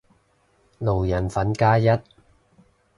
路人粉加一